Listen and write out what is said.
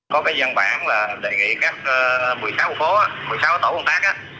có cái dân bản là đề nghị các một mươi sáu quận phố một mươi sáu tổ công tác